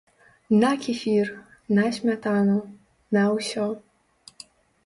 На кефір, на смятану, на ўсё!